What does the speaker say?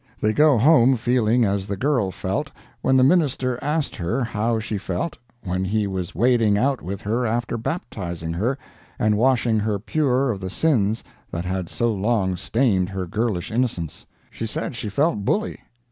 They go home feeling as the girl felt when the Minister asked her how she felt when he was wading out with her after baptizing her and washing her pure of the sins that had so long stained her girlish innocence. She said she felt bully.